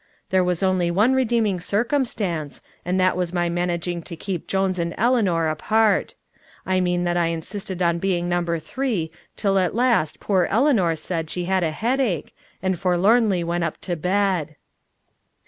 There was only one redeeming circumstance, and that was my managing to keep Jones and Eleanor apart. I mean that I insisted on being number three till at last poor Eleanor said she had a headache, and forlornly went up to bed.